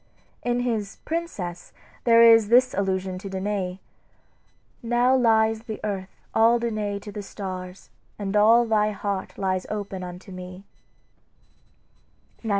In his "Princess" there is this allusion to Danae: "Now lies the earth all Danae to the stars, And all thy heart lies open unto me."